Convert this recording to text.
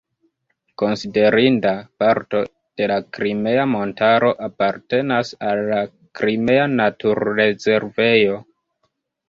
Konsiderinda parto de la Krimea Montaro apartenas al la Krimea naturrezervejo.